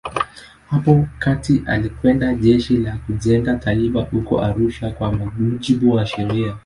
Hapo kati alikwenda Jeshi la Kujenga Taifa huko Arusha kwa mujibu wa sheria.